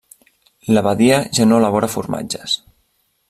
L'abadia ja no elabora formatges.